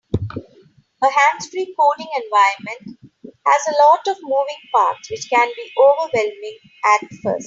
A hands-free coding environment has a lot of moving parts, which can be overwhelming at first.